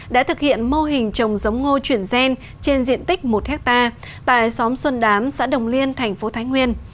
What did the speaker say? đã thực hiện mô hình trồng giống ngô chuyển gen trên diện tích một hectare tại xóm xuân đám xã đồng liên thành phố thái nguyên